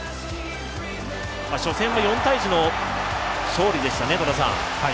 初戦は４−１の勝利でしたね。